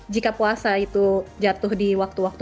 jika puasa itu jatuh di waktu waktu